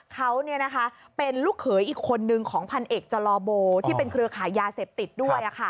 เขาเป็นลูกเขยอีกคนนึงของพันเอกจลอโบที่เป็นเครือขายยาเสพติดด้วย